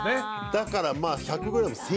だからまあ。